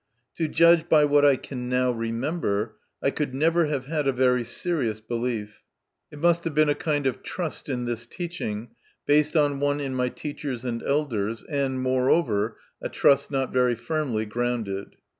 To judge by what I can now remember, I could never have had a very serious belief; it must have been a kind of trust in this teaching, based on one in my teachers and elders, and, moreover, a trust not very firmly grounded.